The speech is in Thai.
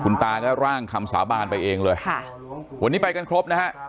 ตาก็ร่างคำสาบานไปเองเลยค่ะวันนี้ไปกันครบนะฮะ